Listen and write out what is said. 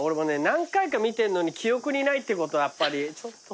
何回か見てんのに記憶にないってことはやっぱりちょっと。